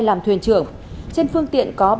làm thuyền trưởng trên phương tiện có